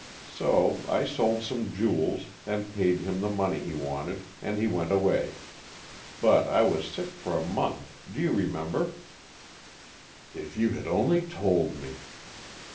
So I sold some jewels and paid him the money he wanted and he went away. But I was sick for a month, do you remember?" "If you had only told me!"